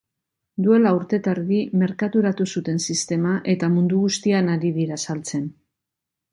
Duela urte eta erdi merkaturatu zuten sistema eta mundu guztian ari dira saltzen.